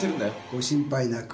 ご心配なく。